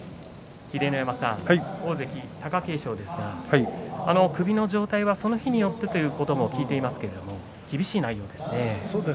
秀ノ山さん、大関貴景勝ですが首の状態はその日によってということも聞いていますが厳しい内容ですね。